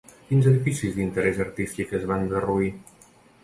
Quins edificis d'interès artístic es van derruir?